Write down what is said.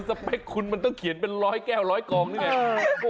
สเปคคุณมันต้องเขียนเป็นร้อยแก้วร้อยกองนี่ไง